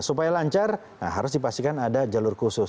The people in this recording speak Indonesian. nah supaya lancar harus dipaksa ada jalur khusus